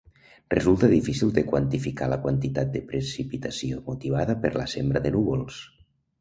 Resulta difícil de quantificar la quantitat de precipitació motivada per la sembra de núvols.